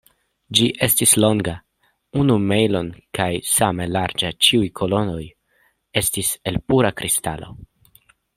Ĝi estis longa unu mejlon kaj same larĝa; ĉiuj kolonoj estis el pura kristalo.